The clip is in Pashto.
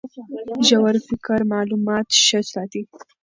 ژور فکر معلومات ښه ساتي.